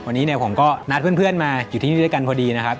วันนี้เนี่ยผมก็นัดเพื่อนมาอยู่ที่นี่ด้วยกันพอดีนะครับ